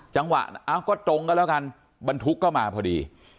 เอ้าก็ตรงก็แล้วกันบรรทุกก็มาพอดี